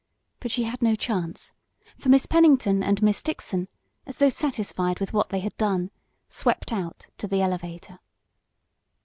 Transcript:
But she had no chance, for Miss Pennington and Miss Dixon, as though satisfied with what they had done, swept out to the elevator.